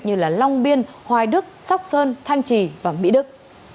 như long biên hoài đức sóc sơn thanh trì và mỹ đức